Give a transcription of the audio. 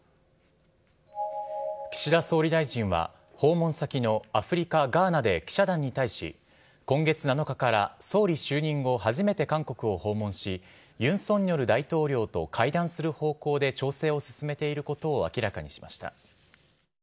岸田総理大臣は、訪問先のアフリカ・ガーナで記者団に対し、今月７日から、総理就任後初めて韓国を訪問し、ユン・ソンニョル大統領と会談する方向で調整を進めていることを明らかにしました。